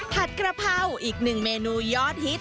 กระเพราอีกหนึ่งเมนูยอดฮิต